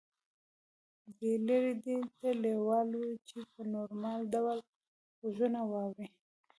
بلییر دې ته لېوال و چې په نورمال ډول غږونه واوري